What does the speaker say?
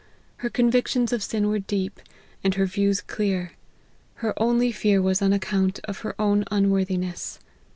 Her con victions of sin were deep, and her views clear ; her only fear was on account of her own unworthiness.